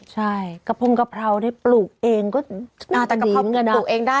ใช่กะเพรากะเพราได้ปลูกเองก็อาจจะดีกันนะ